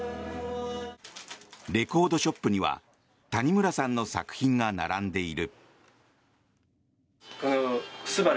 レコードショップには谷村さんの作品が並んでいる。